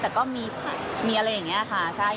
แต่ก็มีอะไรอย่างนี้ค่ะ